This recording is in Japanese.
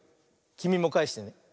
きみもかえしてね。